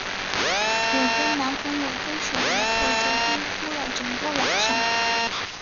我跟男朋友分手了，我昨天哭了整个晚上。